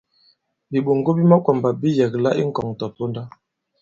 Bìɓoŋgo bi makwàmbà bi yɛ̀kla i ŋkɔ̀ŋ tɔ̀ponda.